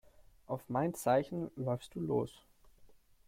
Auf mein Zeichen läufst du los.